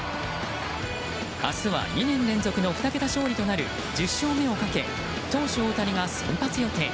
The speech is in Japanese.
明日は２年連続の２桁勝利となる１０勝目をかけ投手・大谷が先発予定。